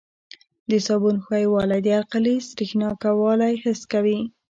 د صابون ښویوالی د القلي سریښناکوالی حس کوي.